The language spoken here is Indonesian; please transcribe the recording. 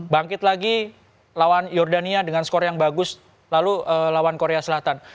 bangkit lagi lawan jordania dengan skor yang bagus lalu lawan korea selatan